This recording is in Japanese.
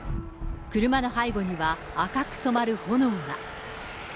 車の背後には赤く染まる炎が。